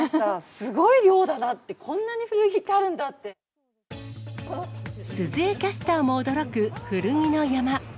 すごい量だなって、鈴江キャスターも驚く古着の山。